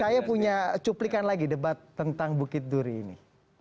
saya punya cuplikan lagi debat tentang bukit duri ini